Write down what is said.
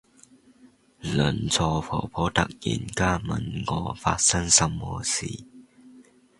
鄰座婆婆突然問我發生什麼事